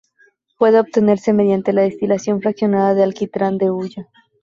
Puede obtenerse mediante la destilación fraccionada del alquitrán de hulla.